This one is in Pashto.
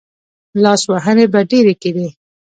لاسوهنې به ډېرې کېدې.